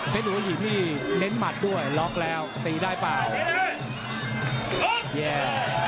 หัวหินนี่เน้นหมัดด้วยล็อกแล้วตีได้เปล่าแย่